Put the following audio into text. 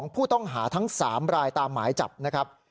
ผู้ต้องหาทั้ง๓รายตามหมายจับนะครับ